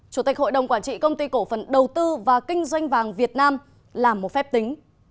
chủ tịch hội đồng quản trị công ty cổ phần đầu tư và kinh doanh vàng việt nam làm một phép tính